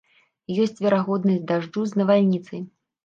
Ёсць верагоднасць дажджу з навальніцай.